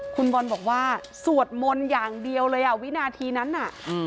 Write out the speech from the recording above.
คุณบอลบอกว่าสวดมนต์อย่างเดียวเลยอ่ะวินาทีนั้นน่ะอืม